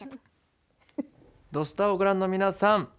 「土スタ」をご覧の皆さん